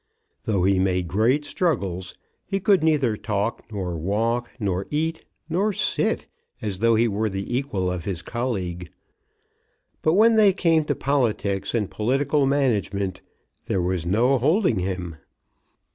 Though he made great struggles he could neither talk, nor walk, nor eat, nor sit, as though he were the equal of his colleague. But when they came to politics and political management, there was no holding him.